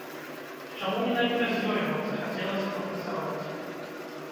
Чаму менавіта з ёй вам захацелася папрацаваць?